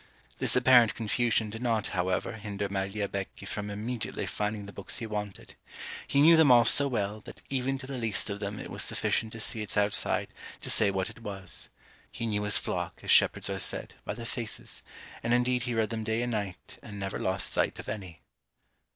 This apparent confusion did not, however, hinder Magliabechi from immediately finding the books he wanted. He knew them all so well, that even to the least of them it was sufficient to see its outside, to say what it was; he knew his flock, as shepherds are said, by their faces; and indeed he read them day and night, and never lost sight of any.